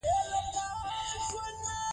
هغه د ګاونډیو ویر کاوه.